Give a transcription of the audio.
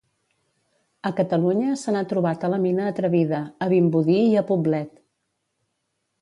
A Catalunya se n'ha trobat a la Mina Atrevida, a Vimbodí i a Poblet.